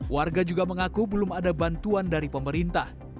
warga juga mengaku belum ada bantuan dari pemerintah